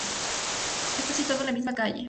Está situado en la misma calle, Av.